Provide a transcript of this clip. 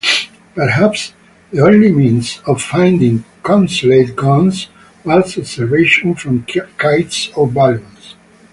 Perhaps the only means of finding concealed guns was observation from kites or balloons.